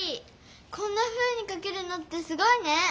こんなふうにかけるなんてすごいね！